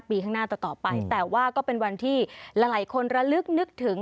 ปีข้างหน้าต่อไปแต่ว่าก็เป็นวันที่หลายคนระลึกนึกถึง